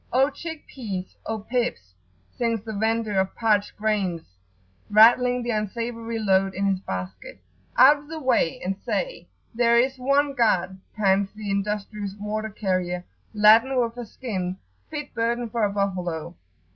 "O chick pease! O pips!" sings the vendor of parched grains, rattling the unsavoury load in his basket. "Out of the way, and say, 'There is one God,'" pants the industrious water carrier, laden with a skin, fit burden for a buffalo.